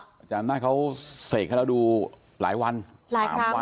อาจารย์อำนาจเขาเสกให้เราดูหลายวันหลายวัน